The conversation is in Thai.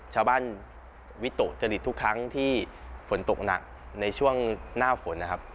ชาวบ้านวิโตะจริตทุกครั้งที่ฝนตกหนักในช่วงหน้าฝนนะครับ